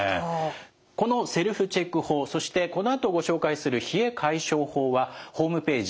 このセルフチェック法そしてこのあとご紹介する冷え解消法はホームページ